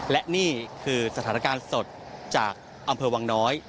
และนี่คือสถานการณ์สดจากอำเภอวังน้อย